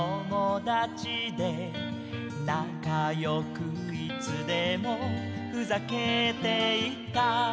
「なかよくいつでもふざけていた」